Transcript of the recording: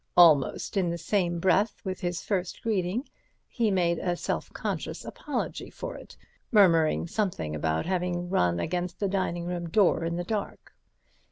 Almost in the same breath with his first greeting, he made a self conscious apology for it, murmuring something about having run against the dining room door in the dark.